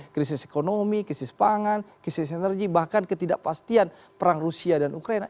krisis ekonomi krisis pangan krisis energi bahkan ketidakpastian perang rusia dan ukraina